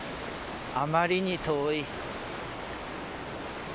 あまりに遠い。